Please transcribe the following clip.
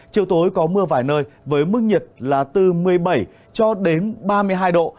chiều tối có mưa vài nơi với mức nhiệt là từ một mươi bảy cho đến ba mươi hai độ